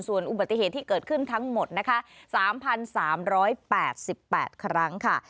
ส่วนอุบัติเหตุที่เกิดขึ้นทั้งหมดนะคะ๓๓๘๘ครั้งค่ะ